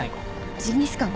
ジンギスカン？